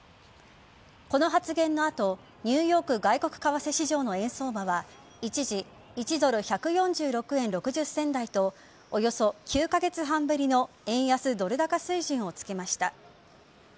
この発言の後ニューヨーク外国為替市場の円相場は一時１ドル１４６円６０銭台とおよそ９カ月半ぶりの円安ドル高水準を付けました。